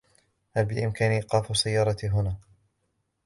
هل بإمكاني إيقاف سيارتي هنا ؟